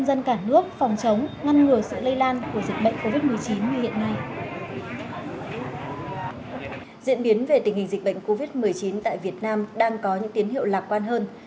giữa covid một mươi chín tại việt nam đang có những tiến hiệu lạc quan hơn